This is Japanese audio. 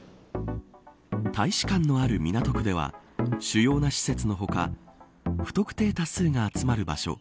大使館のある港区では主要な施設の他不特定多数が集まる場所。